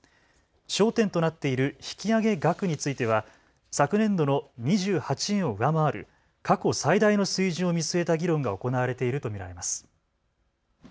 焦点となっている引き上げ額については昨年度の２８円を上回る過去最大の水準を見据えた議論が行われていると見られます。